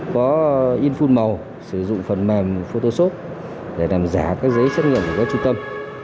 có in full màu sử dụng phần mềm photoshop để làm giả các giấy xét nghiệm của các trung tâm